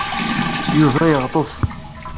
Yuba yeɣtes.